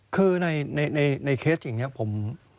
คือในเคสอย่างนี้ผม